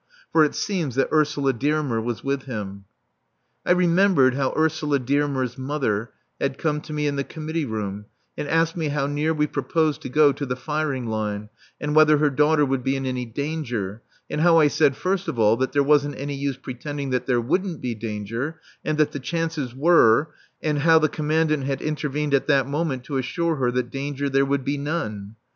For it seems that Ursula Dearmer was with him. I remembered how Ursula Dearmer's mother had come to me in the committee room and asked me how near we proposed to go to the firing line, and whether her daughter would be in any danger, and how I said, first of all, that there wasn't any use pretending that there wouldn't be danger, and that the chances were and how the Commandant had intervened at that moment to assure her that danger there would be none.